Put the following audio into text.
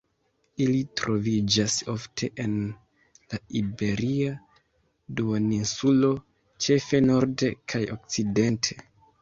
Ili troviĝas ofte en la Iberia Duoninsulo ĉefe norde kaj okcidente.